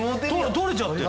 取れちゃってる。